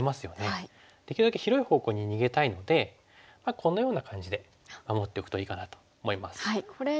できるだけ広い方向に逃げたいのでこのような感じで守っておくといいかなと思います。